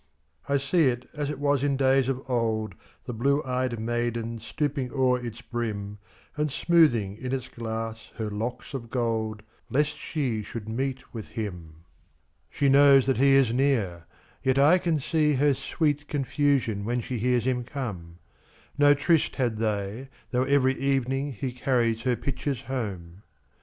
I see it as it was in days of old, The blue ey'd maiden stooping o'er its brim, And smoothing in its glass her locks of gold, Lest she should meet with him. She knows that he is near, yet I can seeHer sweet confusion when she hears him come.No tryst had they, though every evening heCarries her pitchers home.